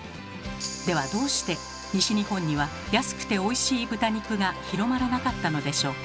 ではどうして西日本には安くておいしい豚肉が広まらなかったのでしょうか？